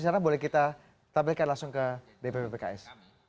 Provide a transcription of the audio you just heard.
sebenarnya boleh kita tabelkan langsung ke dpp pks